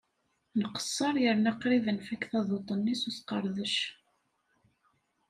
Nqesser yerna qrib ad nfakk taduṭ-nni s uqerdec.